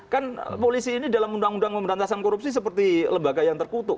kan polisi ini dalam undang undang pemberantasan korupsi seperti lembaga yang terkutuk